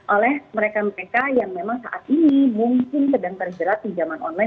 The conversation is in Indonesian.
oleh mereka mereka yang memang saat ini mungkin sedang terjerat pinjaman online